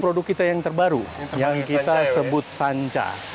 produk kita yang terbaru yang kita sebut sanca